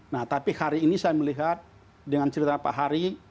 nah tapi hari ini saya melihat dengan cerita pak hari